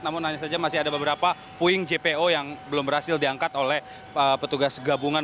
namun hanya saja masih ada beberapa puing jpo yang belum berhasil diangkat oleh petugas gabungan